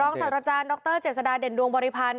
ศาสตราจารย์ดรเจษฎาเด่นดวงบริพันธ์